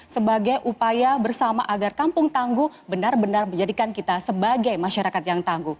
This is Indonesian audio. sebagai upaya bersama agar kampung tangguh benar benar menjadikan kita sebagai masyarakat yang tangguh